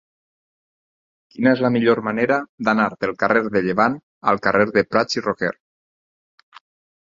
Quina és la millor manera d'anar del carrer de Llevant al carrer de Prats i Roquer?